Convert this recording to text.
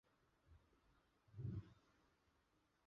在奥兰自治区露营的自由会受到一定的限制。